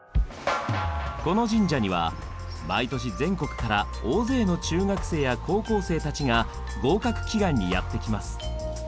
この神社には毎年全国から大勢の中学生や高校生たちが合格祈願にやって来ます。